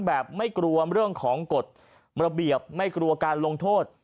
ไม่กลัวเรื่องของกฎระเบียบไม่กลัวการลงโทษ